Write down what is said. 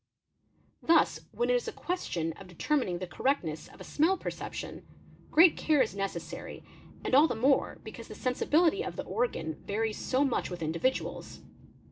| Thus when it is a question of determining the correctness of a smel perception, great care 1s necessary, and all the more because the sensi bility of the organ varies so much with individuals.